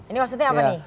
ini maksudnya apa nih